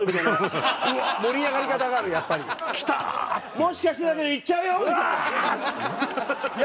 『もしかしてだけど』いっちゃうよ！みたいな。